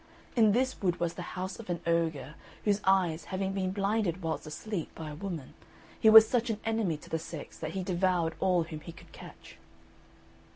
In this wood was the house of an ogre whose eyes having been blinded whilst asleep by a woman, he was such an enemy to the sex that he devoured all whom he could catch.